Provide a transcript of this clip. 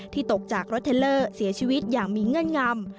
ตกจากรถเทลเลอร์เสียชีวิตอย่างมีเงื่อนงำ